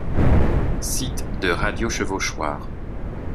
Site de 'Radio-Chevauchoir'